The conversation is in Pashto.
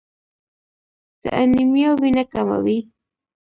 د انیمیا وینه کموي.